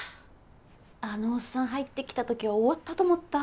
あのおっさん入ってきた時は終わったと思った。